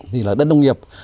thì là đất nông nghiệp